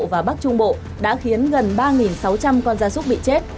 và bắc trung bộ đã khiến gần ba sáu trăm linh con gia súc bị chết